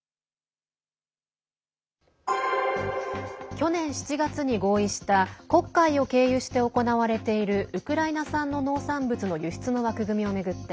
去年７月に合意した黒海を経由して行われているウクライナ産の農産物の輸出の枠組みを巡って